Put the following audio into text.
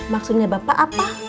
maksudnya bapak apa